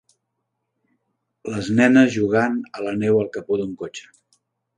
les nenes jugant a la neu al capó d'un cotxe